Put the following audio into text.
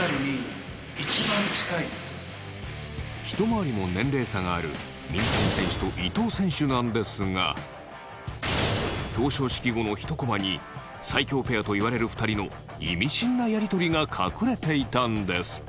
ひと回りも年齢差がある水谷選手と伊藤選手なんですが表彰式後のひとコマに最強ペアといわれる２人のイミシンなやり取りが隠れていたんです。